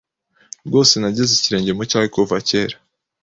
rwose nageze ikirenge mu cyawe kuva cyera